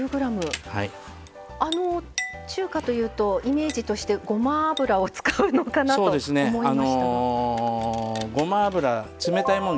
中華というと、イメージとしてごま油を使うのかなと思いましたが。